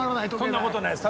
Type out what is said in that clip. そんなことないです。